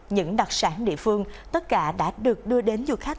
những đặc sản địa phương tất cả đã được đưa đến du khách